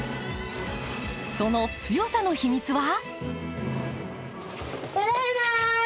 その強さの秘密は？